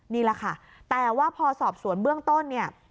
นี่แหละค่ะแต่ว่าพอสอบสวนเบื้องต้นเนี่ย